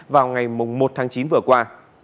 vào ngày một tháng chín vừa qua